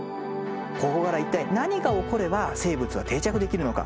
ここから一体何が起これば生物は定着できるのか。